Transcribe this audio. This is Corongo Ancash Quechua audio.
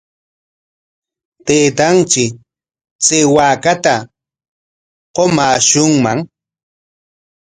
Taytanchik chay waakata qumaashunman.